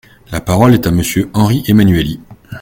La parole est à Monsieur Henri Emmanuelli.